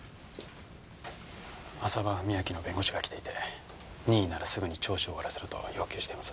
浅羽史明の弁護士が来ていて任意ならすぐに聴取を終わらせろと要求しています。